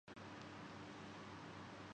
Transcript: طبیعیات کے سلسلے میں ایک عمومی بات یہ ہے